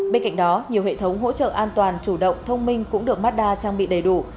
bên cạnh đó nhiều hệ thống hỗ trợ an toàn chủ động thông minh cũng được mazda trang bị đầy đủ